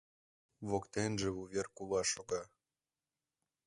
Воктенже вувер кува шога.